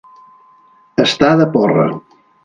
Estar de porra.